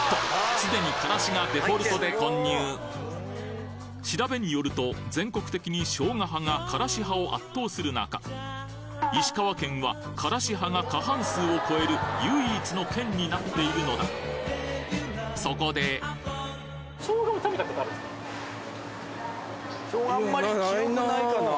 すでにからしがデフォルトで混入調べによると全国的にしょうが派がからし派を圧倒する中石川県はからし派が過半数を超える唯一の県になっているのだ記憶ない？